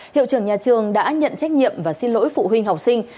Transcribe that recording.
hiệu trưởng nhà trường đã nhận trách nhiệm và xin lỗi phụ huynh học sinh